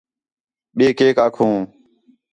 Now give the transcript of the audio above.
ٻئے کیک آکھوں